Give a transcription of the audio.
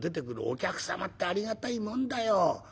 お客様ってありがたいもんだよ。